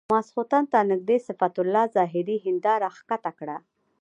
ماخستن ته نږدې صفت الله زاهدي هنداره ښکته کړه.